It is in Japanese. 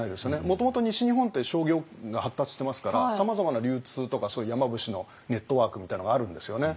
もともと西日本って商業が発達してますからさまざまな流通とかそういう山伏のネットワークみたいなのがあるんですよね。